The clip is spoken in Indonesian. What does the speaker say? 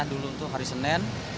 dulu tuh hari senin